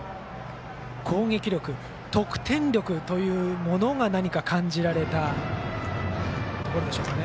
攻撃力、得点力というものが何か感じられたところでしょうか。